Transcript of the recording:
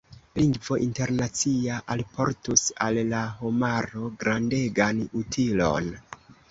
Lingvo internacia alportus al la homaro grandegan utilon.